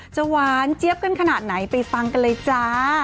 หวานเจี๊ยบกันขนาดไหนไปฟังกันเลยจ้า